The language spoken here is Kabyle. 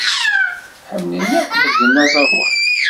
Ḥemmlen akk medden aẓawan?